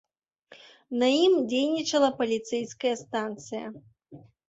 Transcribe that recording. На ім дзейнічала паліцэйская станцыя.